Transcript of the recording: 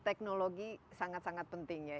teknologi sangat sangat penting ya